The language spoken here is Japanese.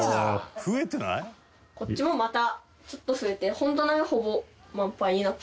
こっちもまたちょっと増えて本棚がほぼ満杯になって。